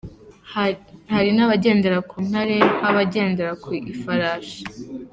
Hari n’abagendera ku ntare nk'abagendera ku ifarashi.